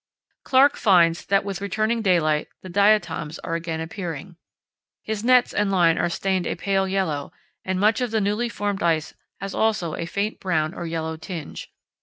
Clark finds that with returning daylight the diatoms are again appearing. His nets and line are stained a pale yellow, and much of the newly formed ice has also a faint brown or yellow tinge.